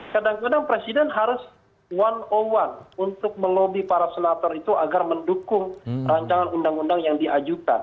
kadang kadang presiden harus one one untuk melobi para senator itu agar mendukung rancangan undang undang yang diajukan